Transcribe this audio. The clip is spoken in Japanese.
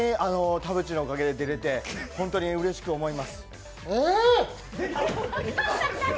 田渕のおかげで出れて本当にうれしく思います。